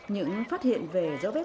những phát hiện về dấu vết